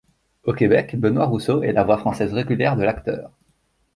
Au Québec, Benoît Rousseau est la voix française régulière de l'acteur.